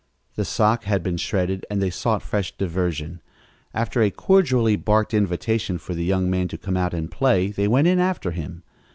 The sock had been shredded and they sought fresh diversion. After a cordially barked invitation for the young man to come out and play, they went in after him.